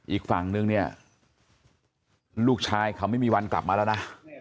อีกฝั่งนึงเนี่ยลูกชายเขาไม่มีวันกลับมาแล้วนะ